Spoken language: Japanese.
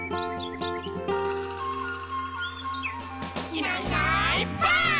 「いないいないばあっ！」